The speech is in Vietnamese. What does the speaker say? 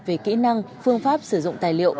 về kỹ năng phương pháp sử dụng tài liệu